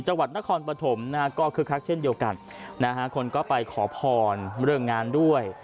จังหวัดนครปฐมนะฮะก็คึกคักเช่นเดียวกันนะฮะคนก็ไปขอพรเรื่องงานด้วย